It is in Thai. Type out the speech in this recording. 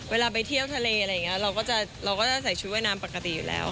เวลาไปเที่ยวทะเลอะไรอย่างนี้เราก็จะใส่ชุดว่ายน้ำปกติอยู่แล้ว